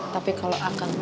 tapi kalau langit